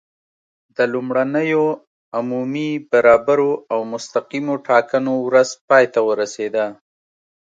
د لومړنیو عمومي، برابرو او مستقیمو ټاکنو ورځ پای ته ورسېده.